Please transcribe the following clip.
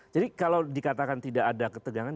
jadi kalau dikatakan tidak ada ketegangan